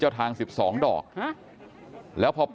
กลุ่มตัวเชียงใหม่